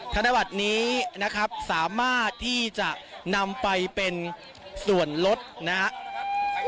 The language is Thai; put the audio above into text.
ธนบัตรนี้นะครับสามารถที่จะนำไปเป็นส่วนลดนะครับ